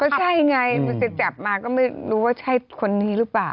ใช่ไงมันจะจับมาก็ไม่รู้ว่าใช่คนนี้หรือเปล่า